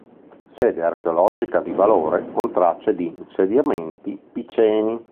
Sede archeologica di valore, con tracce di insediamenti piceni.